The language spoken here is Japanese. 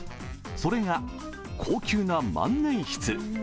それが高級な万年筆。